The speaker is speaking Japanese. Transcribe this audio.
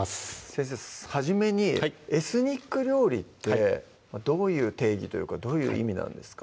先生初めにエスニック料理ってどういう定義というかどういう意味なんですか？